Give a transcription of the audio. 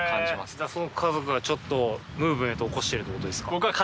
犬磴その家族がちょっと燹璽屮瓮鵐箸起こしてるってことですか？